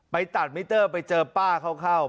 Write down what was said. ไปตัดมิเตอร์ไปเจอป้าเขาเข้า